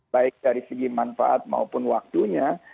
baik dari segi manfaat maupun waktunya